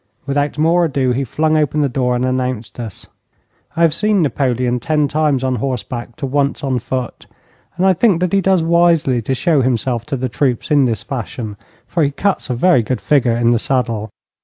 Without more ado he flung open the door and announced us. I have seen Napoleon ten times on horseback to once on foot, and I think that he does wisely to show himself to the troops in this fashion, for he cuts a very good figure in the saddle.